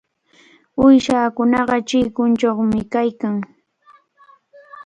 Uyshakunaqa chikunchawmi kaykan.